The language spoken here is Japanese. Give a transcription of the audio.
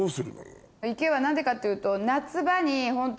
池は何でかっていうと。